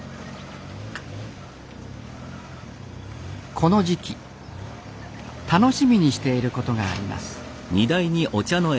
この時期楽しみにしていることがあります